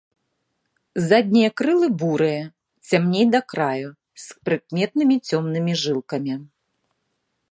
Заднія крылы бурыя, цямней да краю, з прыкметнымі цёмнымі жылкамі.